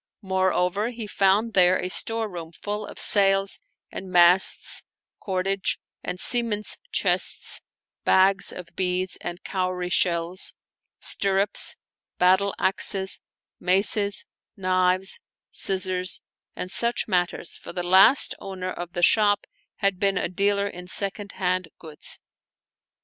Moreover^ he found there a storeroom full of sails and masts, cordage, and seaman's chests, bags of beads and cowrie shells, stirrups, battle axes, maces, knives, scissors, and such mat ters, for the last owner of the shop had been a dealer in second hand goods.